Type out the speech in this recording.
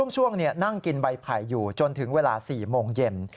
ช่วงนั่งกินใบไผ่อยู่จนถึงเวลา๔โมงเย็น